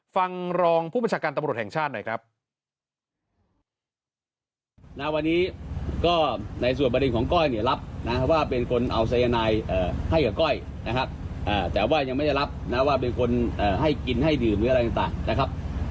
ฟังรองผู้บัญชาการตำรวจแห่งชาติหน่อยครับ